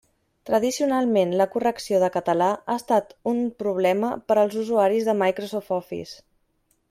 Tradicionalment la correcció de català ha estat un problema per als usuaris de Microsoft Office.